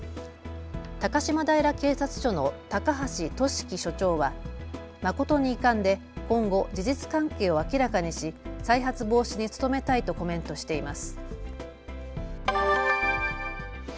高島平警察署の高橋季樹署長は誠に遺憾で今後、事実関係を明らかにし、再発防止に努めたいとコメントしています。